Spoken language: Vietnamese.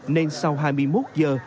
nên sau hai mươi một giờ